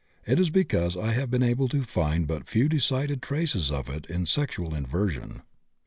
It is because I have been able to find but few decided traces of it in sexual inversion.